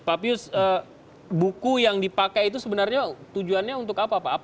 pak pius buku yang dipakai itu sebenarnya tujuannya untuk apa pak